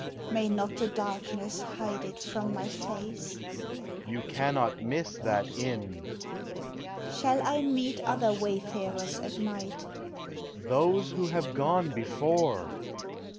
May not the darkness hide it from my face? You cannot miss that inn. Shall I meet other wayfarers at night? Those tvho have gone before.